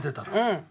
うん。